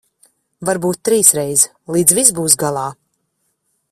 Varbūt trīsreiz, līdz viss būs galā.